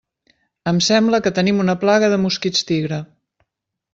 Em sembla que tenim una plaga de mosquits tigre.